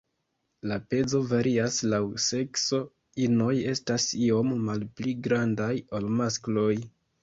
La pezo varias laŭ sekso, inoj estas iom malpli grandaj ol maskloj.